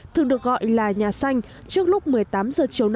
thường được gọi là nhà xanh trước lúc một mươi tám h chiều nay theo giờ địa phương